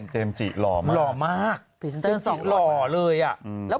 โปรดติดตามตอนต่อไป